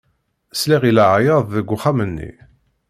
Sliɣ i leɛyaḍ deg uxxam-nni.